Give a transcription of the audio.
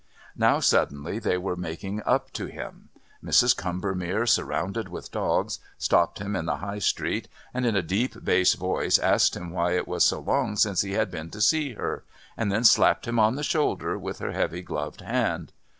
Now, suddenly, they were making up to him. Mrs. Combermere, surrounded with dogs, stopped him in the High Street and, in a deep bass voice, asked him why it was so long since he had been to see her, and then slapped him on the shoulder with her heavy gloved hand.